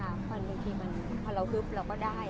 เพราะว่าบางทีพอเราฮึบเราก็ได้